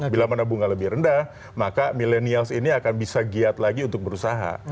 bila mana bunga lebih rendah maka millennials ini akan bisa giat lagi untuk berusaha